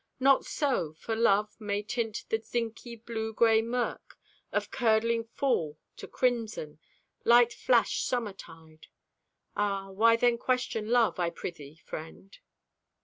Not so, for Love May tint the zincy blue gray murk Of curdling fall to crimson, light flashed summertide. Ah, why then question Love, I prithee, friend?